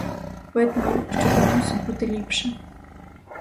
Видно, що там мусить бути ліпше.